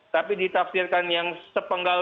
tapi ditafsirkan yang sepenggal